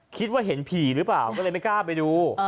คิดว่าเห็นผีหรือเปล่าก็เลยไม่กล้าไปดู